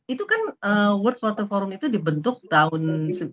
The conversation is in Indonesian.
itu kan world water forum itu dibentuk tahun